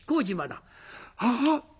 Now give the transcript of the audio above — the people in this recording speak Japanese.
「ああ！